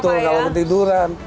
betul kalau ketiduran